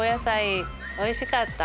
「おいしかった？」